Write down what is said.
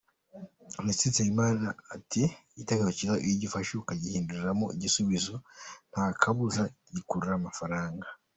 Minisitiri Nsengimana ati “Igitekerezo cyiza iyo ugifashe ukagihinduramo igisubizo nta kabuza gikurura amafaranga.